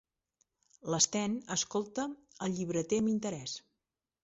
L'Sten escolta el llibreter amb interès.